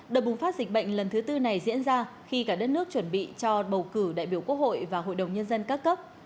đợt bùng phát dịch bệnh lần thứ tư này diễn ra khi cả đất nước chuẩn bị cho bầu cử đại biểu quốc hội và hội đồng nhân dân các cấp